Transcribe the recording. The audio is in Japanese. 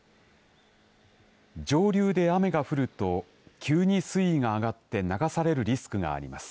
上流で雨が降ると急に水位が上がって流されるリスクがあります。